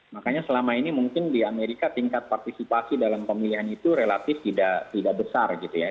makanya selama ini mungkin di amerika tingkat partisipasi dalam pemilihan itu relatif tidak besar gitu ya